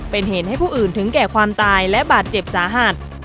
เป็นเหตุให้ผู้อื่นถึงแก่ความตายและบาดเจ็บสาหัส